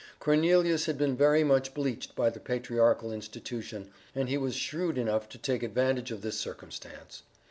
Cornelius had been very much bleached by the Patriarchal Institution, and he was shrewd enough to take advantage of this circumstance.